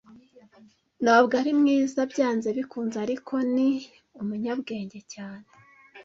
Ntabwo ari mwiza, byanze bikunze, ariko ni umunyabwenge cyane.